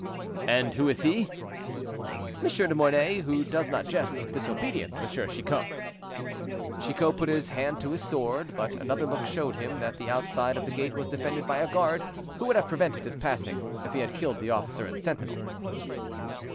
"—"And who is he?" "M. de Mornay, who does not jest with disobedience, M. Chicot." Chicot put his hand to his sword, but another look showed him that the outside of the gate was defended by a guard who would have prevented his passing if he had killed the officer and sentinel.